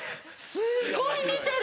すごい見てる！